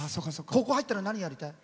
高校入ったら何やりたい？